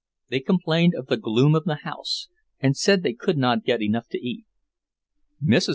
They complained of the gloom of the house, and said they could not get enough to eat. Mrs.